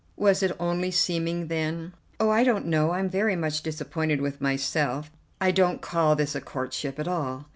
"Was it only seeming, then?" "Oh, I don't know. I'm very much disappointed with myself. I don't call this a courtship at all.